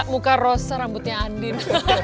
muka rosa rambutnya andin